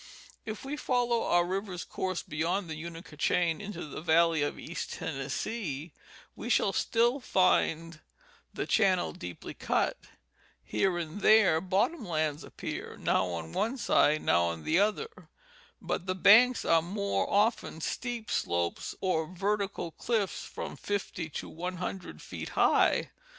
If we follow our river's course beyond the Unaka chain into the valley of East Tennessee we shall still find the channel deeply cut ; here and there bottomlands appear, now on one side, now on the other, but the banks are more often steep slopes or verti cal cliffs from fifty to one hundred feet high.